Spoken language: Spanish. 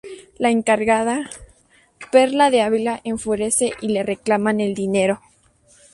La encargada, Perla de Ávila, enfurece y le reclama el dinero.